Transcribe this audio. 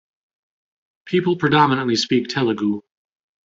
People predominantly speak Telugu.